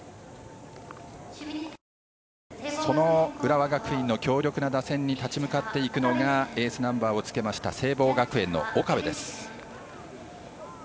その浦和学院の強力な打線に立ち向かっていくのがエースナンバーをつけた聖望学園の岡部。